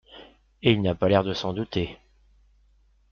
Et il n'a pas l'air de s'en douter.